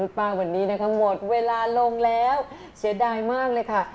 เดี๋ยวได้มากเลยค่ะ